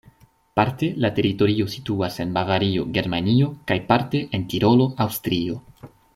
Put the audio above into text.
Parte la teritorio situas en Bavario, Germanio kaj parte en Tirolo, Aŭstrio.